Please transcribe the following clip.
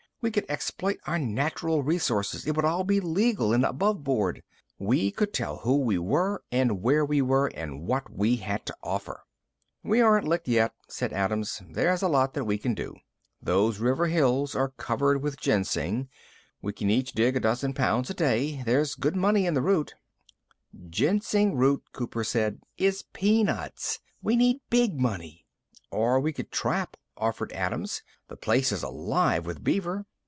We could exploit our natural resources. It would all be legal and aboveboard. We could tell who we were and where we were and what we had to offer." "We aren't licked yet," said Adams. "There's a lot that we can do. Those river hills are covered with ginseng. We can each dig a dozen pounds a day. There's good money in the root." "Ginseng root," Cooper said, "is peanuts. We need big money." "Or we could trap," offered Adams. "The place is alive with beaver."